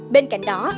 bên cạnh đó